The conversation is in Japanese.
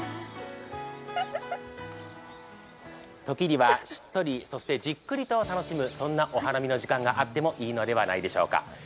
時には１人で、しっとりそしてじっくりと楽しむそんなお花見の時間があってもいいのではないでしょうか。